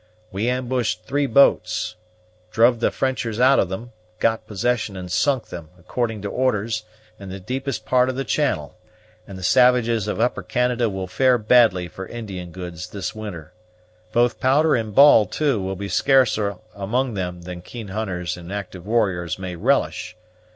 We ambushed three boats, druv' the Frenchers out of them, got possession and sunk them, according to orders, in the deepest part of the channel; and the savages of Upper Canada will fare badly for Indian goods this winter. Both powder and ball, too, will be scarcer among them than keen hunters and active warriors may relish.